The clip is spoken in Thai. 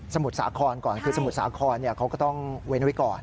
มุทรสาครก่อนคือสมุทรสาครเขาก็ต้องเว้นไว้ก่อน